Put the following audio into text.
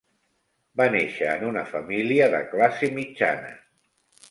Va néixer en una família de classe mitjana.